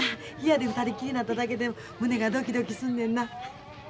部屋で２人きりになっただけで胸がドキドキすんねんな。